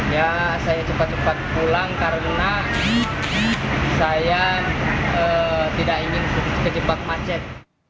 ya saya cepat cepat pulang karena saya tidak ingin kejebak macet